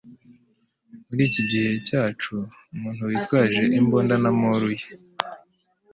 Muri iki gihe cyacu umuntu witwaje imbunda na moll ye